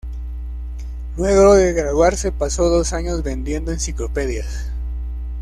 Luego de graduarse, pasó dos años vendiendo enciclopedias.